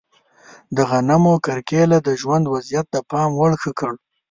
د غنمو کرکیله د ژوند وضعیت د پام وړ ښه کړ.